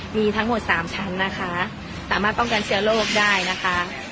มีทั้งหมด๓ชั้นนะคะสามารถป้องกันเชื้อโรคได้นะคะ